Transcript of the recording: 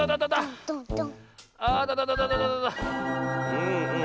うんうん。